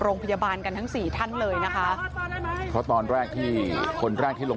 โรงพยาบาลกันทั้ง๔ท่านเลยนะคะก่อนแรกที่ฮงนานที่ลง